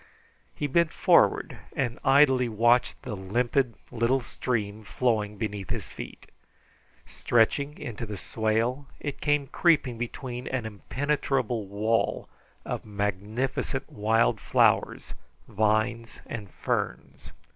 He bent forward and idly watched the limpid little stream flowing beneath his feet. Stretching into the swale, it came creeping between an impenetrable wall of magnificent wild flowers, vines, and ferns.